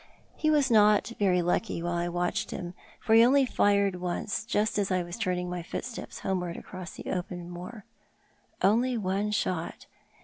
He was not very lucky while I watched him, for he only fired once, just as I was turning my footsteps homeward across the open moor. Only one shot